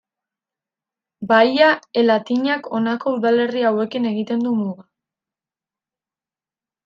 Baia e Latinak honako udalerri hauekin egiten du muga.